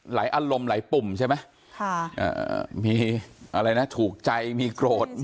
อารมณ์หลายปุ่มใช่ไหมมีอะไรนะถูกใจมีโกรธ